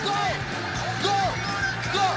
ゴー！